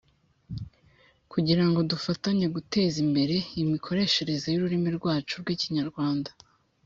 kugirango dufatanye guteza imbere imikoreshereze y’ururimi rwacu rw’Ikinyarwanda